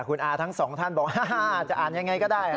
คุณอาทั้งสองท่านบอกจะอ่านยังไงก็ได้